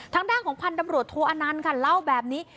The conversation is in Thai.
ทางด้านของพันธุ์ตำรวจโทอนันต์ค่ะเล่าแบบนี้